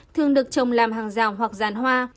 thường được trồng làm hàng rào hoặc giàn hoa